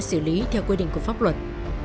xử lý theo quy định của pháp luật